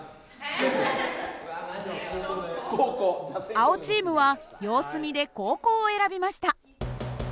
青チームは様子見で後攻を選びました。